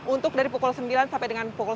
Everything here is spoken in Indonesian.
untuk dari pukul sembilan sampai dengan pukul